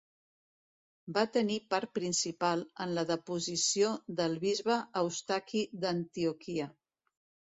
Va tenir part principal en la deposició del bisbe Eustaci d'Antioquia.